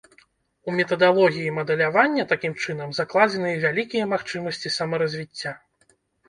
У метадалогіі мадэлявання, такім чынам, закладзеныя вялікія магчымасці самаразвіцця.